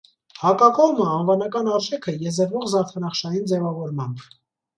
Հակակողմը՝ անուանական արժէքը՝ եզերուող զարդանախշային ձեւաւորմամբ։